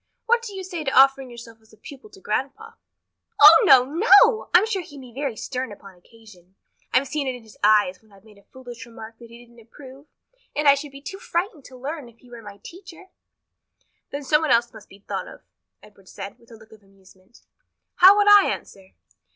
What do you say to offering yourself as a pupil to grandpa?" "Oh, no, no! I'm sure he can be very stern upon occasion. I've seen it in his eyes when I've made a foolish remark that he didn't approve, and I should be too frightened to learn if he were my teacher." "Then some one else must be thought of," Edward said, with a look of amusement. "How would I answer?"